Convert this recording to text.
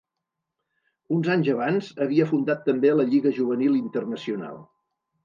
Uns anys abans havia fundat també la Lliga Juvenil Internacional.